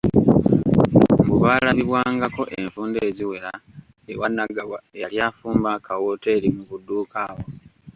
Mbu baalabibwangako enfunda eziwera ewa Nagawa eyali afumba ka wooteri mu buduuka awo.